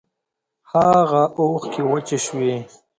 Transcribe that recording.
هاغه اوښکی وچې شوې